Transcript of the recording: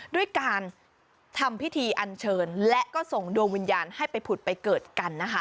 ด้วยการทำพิธีอันเชิญและก็ส่งดวงวิญญาณให้ไปผุดไปเกิดกันนะคะ